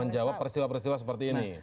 menjawab peristiwa peristiwa seperti ini